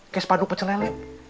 kayak sepadu pecelen